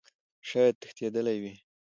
شايد تښتيدلى وي .